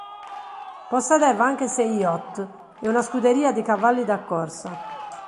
Possedeva anche sei yacht e una scuderia di cavalli da corsa.